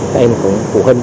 các em cũng phụ huynh